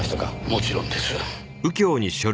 もちろんです。